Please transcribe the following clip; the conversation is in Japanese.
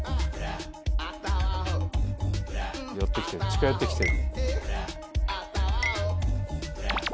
近寄ってきてる。